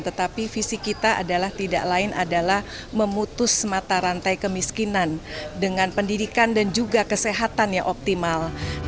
tetapi visi kita adalah tidak lain adalah memutus mata rantai kemiskinan dengan pendidikan dan juga kesehatan yang optimal